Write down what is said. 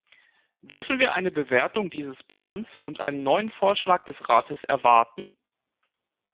Dürfen wir eine Bewertung dieses Plans und einen neuen Vorschlag des Rates erwarten?